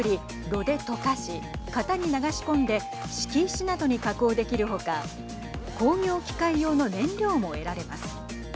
炉で溶かし型に流し込んで敷石などに加工できる他工業機械用の燃料も得られます。